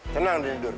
tenang nelik durga